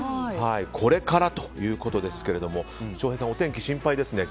これからということですが翔平さん、お天気心配ですね